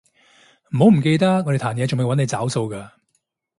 唔好唔記得我哋壇野仲未搵你找數㗎